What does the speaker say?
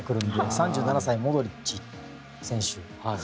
３７歳、モドリッチ選手。